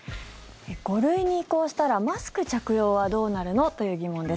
５類に移行したらマスク着用はどうなるの？という疑問です。